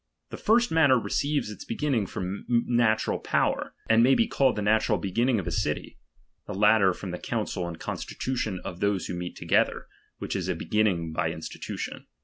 The first manner receives its beginning from natural power, and may be called the natural beginning of a city ; the latter from the council and constitu tion of those who meet together, which is a begin ning by institution.